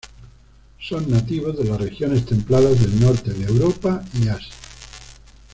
Son nativos de las regiones templadas del norte de Europa y Asia.